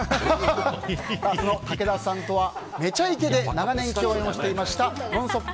武田さんとは「めちゃイケ」で長年、共演をしていました「ノンストップ！」